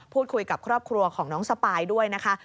พูดคุยกับครอบครัวของน้องสปายด้วยนะคะ